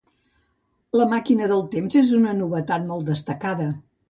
La màquina del temps és una novetat molt destacada.